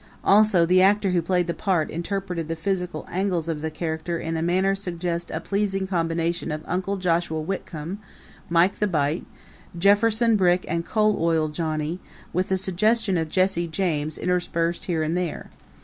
Also, the actor who played the part interpreted the physical angles of the character in a manner to suggest a pleasing combination of Uncle Joshua Whitcomb, Mike the Bite, Jefferson Brick and Coal Oil Johnny, with a suggestion of Jesse James interspersed here and there.